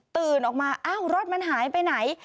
ตื่นออกมาอ้าวรถมันหายไปไหน